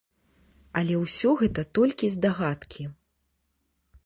Але ўсё гэта толькі здагадкі.